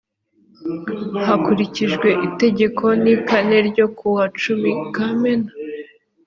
hakurikijwe itegeko n kane ryo kuwa cumi kamena